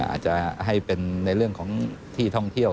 อาจจะให้เป็นในเรื่องของที่ท่องเที่ยว